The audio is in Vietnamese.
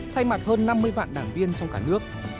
thay mặt hơn năm mươi vạn đảng viên trong cả nước